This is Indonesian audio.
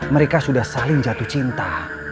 mereka sudah saling jatuh cinta